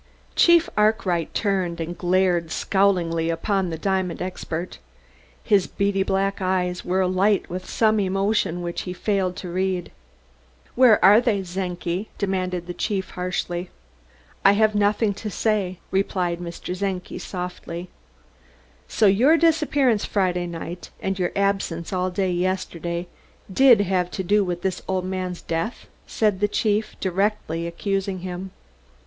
Chief Arkwright turned and glared scowlingly upon the diamond expert. The beady black eyes were alight with some emotion which he failed to read. "Where are they, Czenki?" demanded the chief harshly. "I have nothing to say," replied Mr. Czenki softly. "So your disappearance Friday night, and your absence all day yesterday did have to do with this old man's death?" said the chief, directly accusing him.